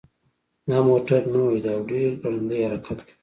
دا موټر نوی ده او ډېر ګړندی حرکت کوي